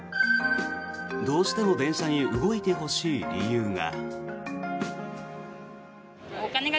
どうしても電車に動いてほしい理由が。